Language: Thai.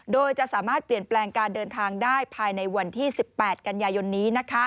โดยจะสามารถเปลี่ยนแปลงการเดินทางได้ภายในวันที่๑๘กันยายนนี้